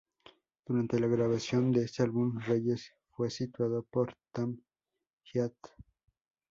Durante la grabación de este álbum, Reyes fue sustituido por Tom Hyatt.